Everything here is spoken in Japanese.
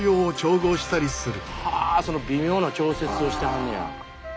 はあその微妙な調節をしてはんのや。